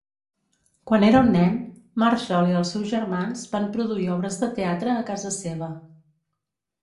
Quan era un nen, Marshall i els seus germans van produir obres de teatre a casa seva.